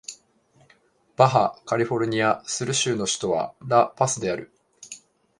バハ・カリフォルニア・スル州の州都はラ・パスである